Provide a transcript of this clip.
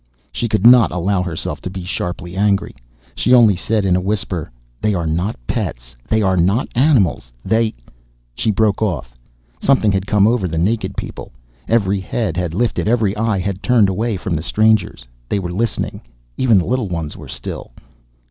She could not allow herself to be sharply angry. She only said, in a whisper, "They are not pets, they are not animals. They " She broke off. Something had come over the naked people. Every head had lifted, every eye had turned away from the strangers. They were listening. Even the littlest ones were still.